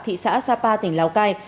thị xã sapa tỉnh lào cai